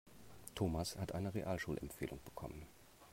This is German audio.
Thomas hat eine Realschulempfehlung bekommen.